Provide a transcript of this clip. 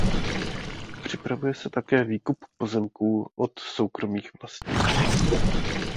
Připravuje se také výkup pozemků od soukromých vlastníků.